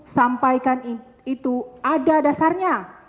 sampaikan itu ada dasarnya